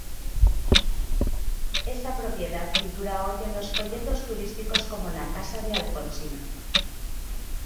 Esa propiedad figura hoy en los folletos turísticos como la casa de Alfonsina.